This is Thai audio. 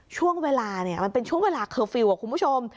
ช่วงเวลาเนี่ยมันเป็นช่วงเวลาเคอร์ฟิลล์คุณผู้ชม